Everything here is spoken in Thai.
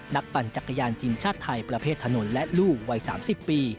ปั่นจักรยานทีมชาติไทยประเภทถนนและลูกวัย๓๐ปี